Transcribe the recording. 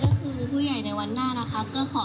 เด็กในวันนี้ก็คือผู้ใหญ่ในวันหน้า